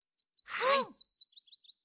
はい。